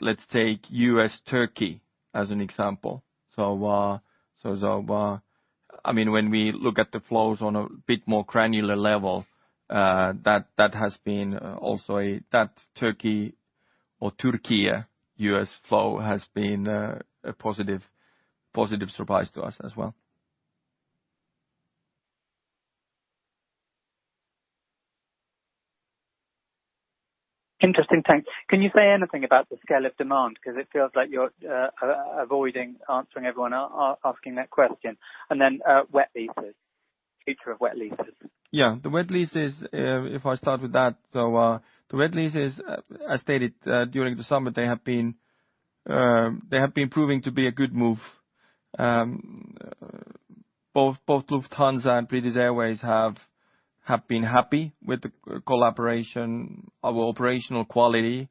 let's take US-Turkey as an example. I mean, when we look at the flows on a bit more granular level, that Turkey or Türkiye-US flow has been a positive surprise to us as well. Interesting. Thanks. Can you say anything about the scale of demand? Cause it feels like you're avoiding answering everyone asking that question. Wet leases. Future of wet leases. Yeah, the wet leases, if I start with that. The wet leases, as stated, during the summer, they have been proving to be a good move. Both Lufthansa and British Airways have been happy with the collaboration. Our operational quality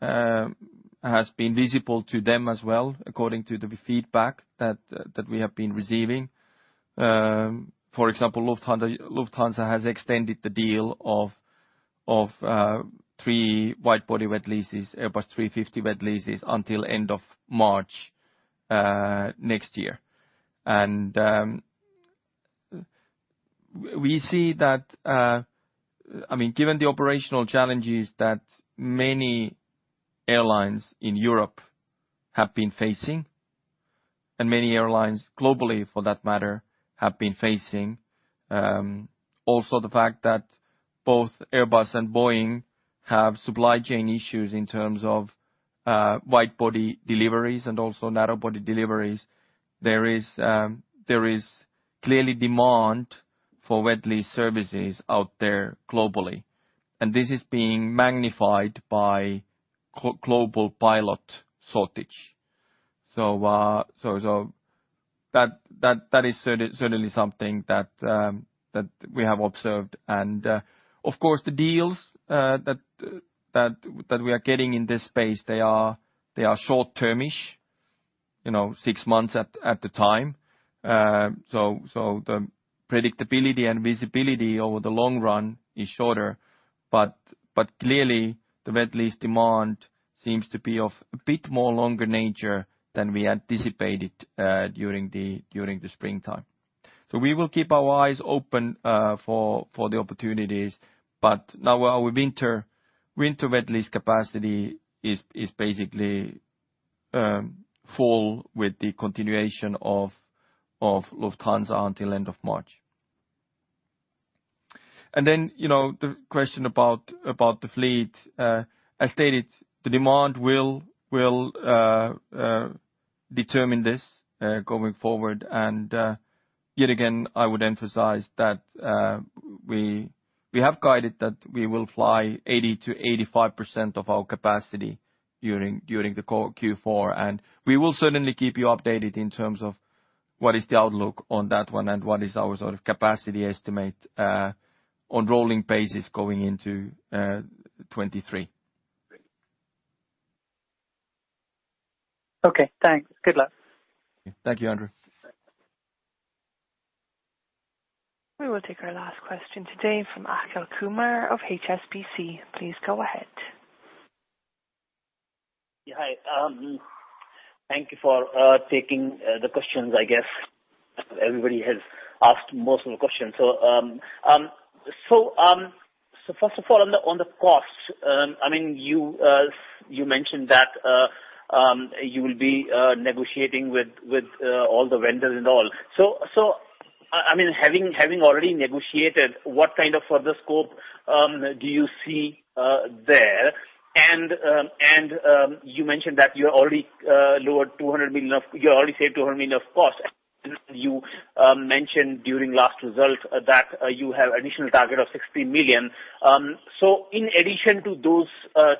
has been visible to them as well, according to the feedback that we have been receiving. For example, Lufthansa has extended the deal of three wide-body wet leases, Airbus three-fifty wet leases until end of March next year. We see that, I mean, given the operational challenges that many airlines in Europe have been facing and many airlines globally for that matter, have been facing, also the fact that both Airbus and Boeing have supply chain issues in terms of wide-body deliveries and also narrow-body deliveries. There is clearly demand for wet lease services out there globally, and this is being magnified by global pilot shortage. That is certainly something that we have observed. Of course, the deals that we are getting in this space, they are short-term-ish, you know, six months at the time. The predictability and visibility over the long run is shorter. Clearly, the wet lease demand seems to be of a bit more longer nature than we anticipated during the springtime. We will keep our eyes open for the opportunities. Now our winter wet lease capacity is basically full with the continuation of Lufthansa until end of March. You know, the question about the fleet, I stated the demand will determine this going forward. Yet again, I would emphasize that we have guided that we will fly 80% to 85% of our capacity during the core fourth quarter. We will certainly keep you updated in terms of what is the outlook on that one and what is our sort of capacity estimate on rolling basis going into 2023. Okay, thanks. Good luck. Thank you, Andrew. We will take our last question today from Achal Kumar of HSBC. Please go ahead. Yeah, hi. Thank you for taking the questions. I guess everybody has asked most of the questions. First of all, on the costs, I mean, you mentioned that you will be negotiating with all the vendors and all. I mean, having already negotiated, what kind of further scope do you see there? You mentioned that you already saved 200 million of costs. You mentioned during last result that you have additional target of 60 million. In addition to those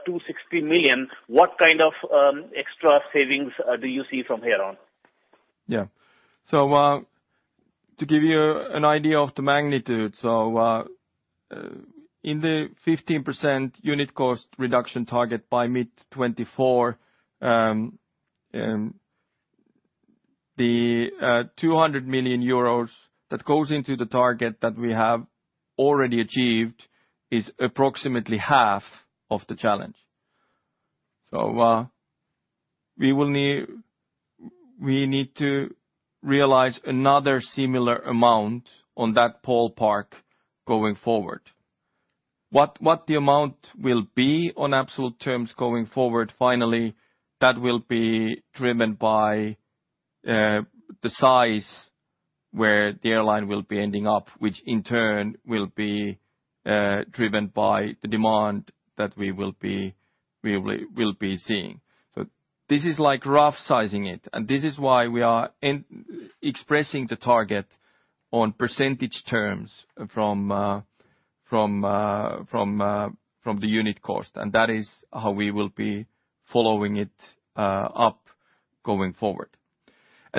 260 million, what kind of extra savings do you see from here on? To give you an idea of the magnitude, in the 15% unit cost reduction target by mid 2024, the 200 million euros that goes into the target that we have already achieved is approximately half of the challenge. We need to realize another similar amount on that pool of work going forward. What the amount will be on absolute terms going forward, finally, that will be driven by the size where the airline will be ending up, which in turn will be driven by the demand that we will be seeing. This is like rough sizing it, and this is why we are expressing the target on percentage terms from the unit cost, and that is how we will be following it up going forward.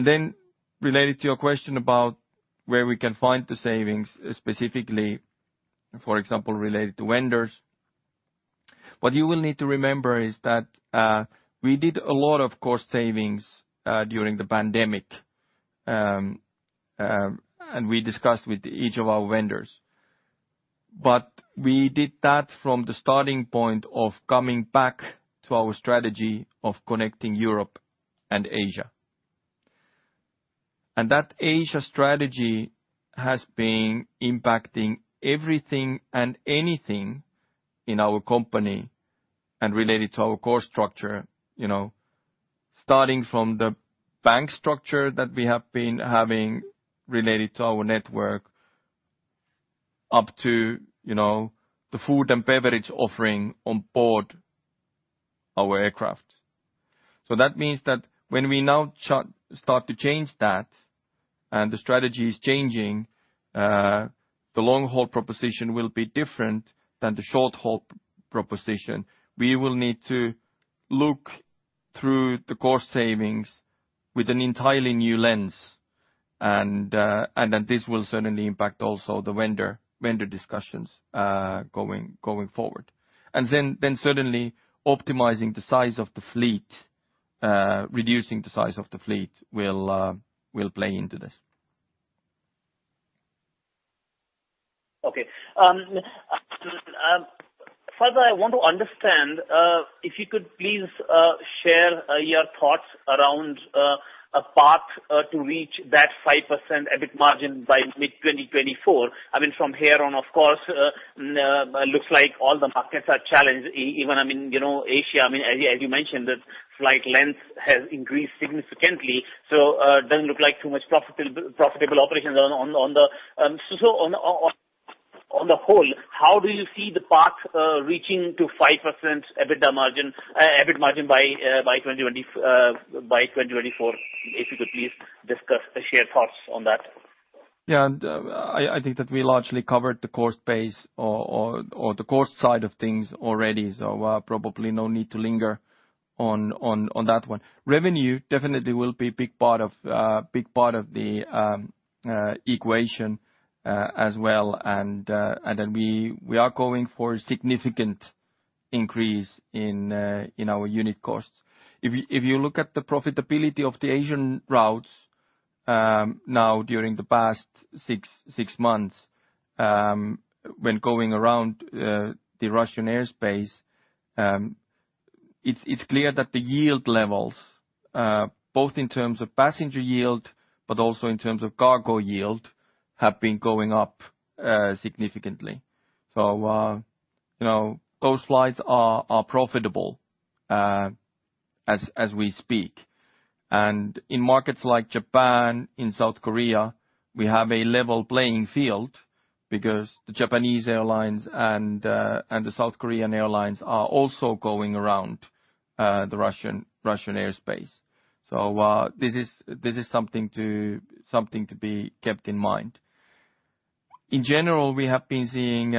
Then related to your question about where we can find the savings, specifically, for example, related to vendors. What you will need to remember is that we did a lot of cost savings during the pandemic, and we discussed with each of our vendors. We did that from the starting point of coming back to our strategy of connecting Europe and Asia. That Asia strategy has been impacting everything and anything in our company and related to our core structure, you know. Starting from the bank structure that we have been having related to our network, up to, you know, the food and beverage offering on board our aircraft. That means that when we now start to change that, and the strategy is changing, the long-haul proposition will be different than the short-haul proposition. We will need to look through the cost savings with an entirely new lens, and then this will certainly impact also the vendor discussions going forward. Certainly optimizing the size of the fleet, reducing the size of the fleet will play into this. Okay. First I want to understand, if you could please share your thoughts around a path to reach that 5% EBIT margin by mid 2024. I mean, from here on, of course, looks like all the markets are challenged. Even, I mean, you know, Asia, I mean, as you mentioned, the flight length has increased significantly, so doesn't look like too much profitable operations on the whole, how do you see the path reaching to 5% EBITDA margin, EBIT margin by 2024. If you could please discuss or share your thoughts on that. Yeah. I think that we largely covered the cost base or the cost side of things already. Probably no need to linger on that one. Revenue definitely will be big part of the equation as well. Then we are going for significant increase in our unit costs. If you look at the profitability of the Asian routes now during the past six months, when going around the Russian airspace, it's clear that the yield levels both in terms of passenger yield, but also in terms of cargo yield, have been going up significantly. You know, those flights are profitable as we speak. In markets like Japan, in South Korea, we have a level playing field because the Japanese airlines and the South Korean airlines are also going around the Russian airspace. This is something to be kept in mind. In general, we have been seeing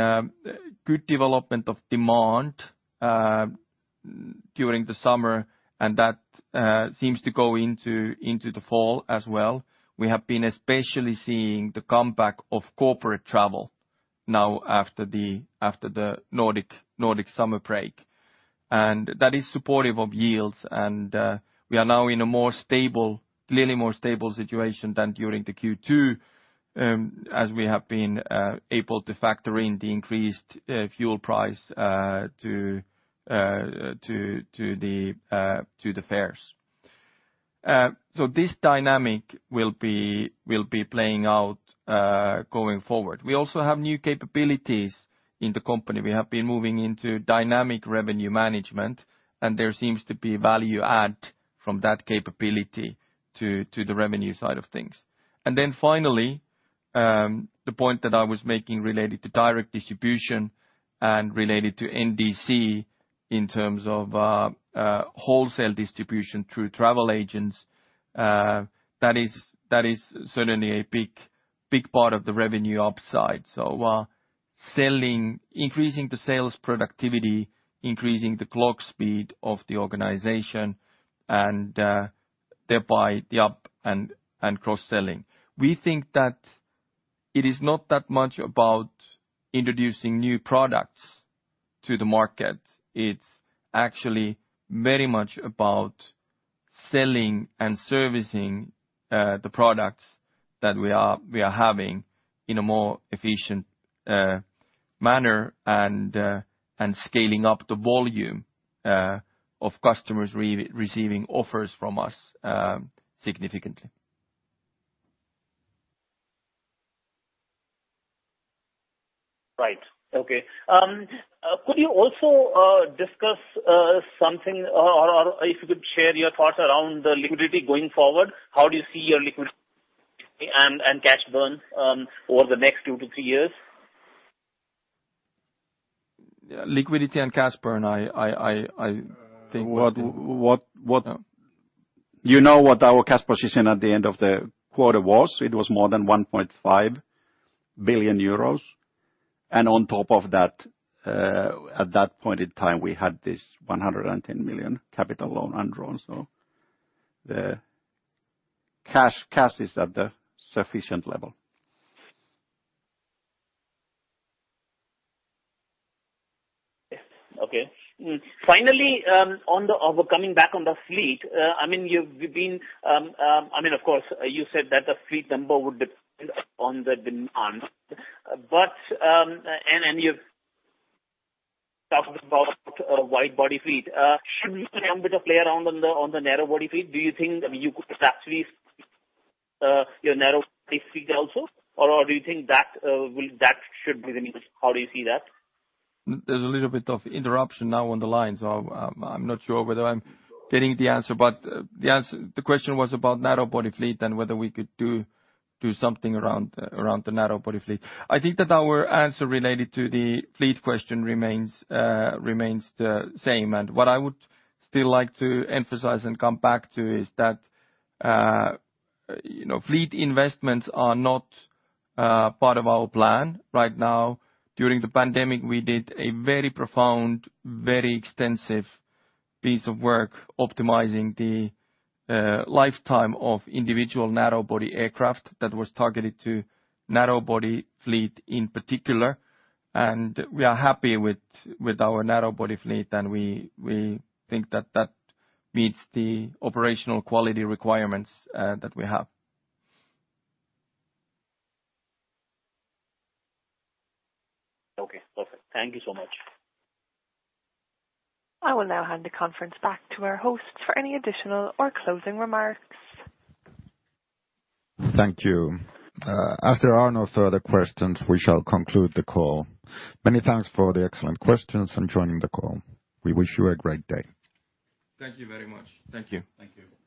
good development of demand during the summer, and that seems to go into the fall as well. We have been especially seeing the comeback of corporate travel now after the Nordic summer break. That is supportive of yields, and we are now in a clearly more stable situation than during the second quarter, as we have been able to factor in the increased fuel price to the fares. This dynamic will be playing out, going forward. We also have new capabilities in the company. We have been moving into dynamic revenue management, and there seems to be value add from that capability to the revenue side of things. The point that I was making related to direct distribution and related to NDC in terms of wholesale distribution through travel agents, that is certainly a big part of the revenue upside. Selling, increasing the sales productivity, increasing the clock speed of the organization, and thereby the upselling and cross-selling. We think that it is not that much about introducing new products to the market. It's actually very much about selling and servicing the products that we are having in a more efficient manner and scaling up the volume of customers receiving offers from us significantly. Right. Okay. Could you also discuss, or if you could share your thoughts around the liquidity going forward? How do you see your liquidity and cash burn over the next two to three years? Yeah. Liquidity and cash burn. I think what... (crosstalk) You know what our cash position at the end of the quarter was. It was more than 1.5 billion euros. On top of that, at that point in time, we had this 110 million capital loan undrawn. The cash is at the sufficient level. Yes. Okay. Finally, or coming back on the fleet. I mean, of course you said that the fleet number would depend on the demands, but, and you've talked about a wide-body fleet. Should we see a bit of play around on the narrow-body fleet? Do you think, I mean, you could actually your narrow-body fleet also? Or do you think that that should be the niche? How do you see that? There's a little bit of interruption now on the line, so I'm not sure whether I'm getting the answer. The question was about narrow body fleet and whether we could do something around the narrow body fleet. I think that our answer related to the fleet question remains the same. What I would still like to emphasize and come back to is that, you know, fleet investments are not part of our plan right now. During the pandemic, we did a very profound, very extensive piece of work optimizing the lifetime of individual narrow body aircraft that was targeted to narrow body fleet in particular. We are happy with our narrow body fleet. We think that meets the operational quality requirements that we have. Okay. Perfect. Thank you so much. I will now hand the conference back to our host for any additional or closing remarks. Thank you. As there are no further questions, we shall conclude the call. Many thanks for the excellent questions and joining the call. We wish you a great day. Thank you very much. Thank you. Thank you.